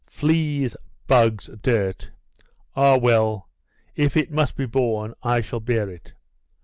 Fleas, bugs, dirt! Ah, well; if it must be borne, I shall bear it."